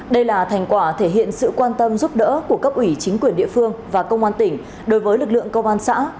đây là thành quả thể hiện sự quan tâm giúp đỡ của cấp ủy chính quyền địa phương và công an tỉnh đối với lực lượng công an xã